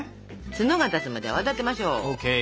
ツノが立つまで泡立てましょう。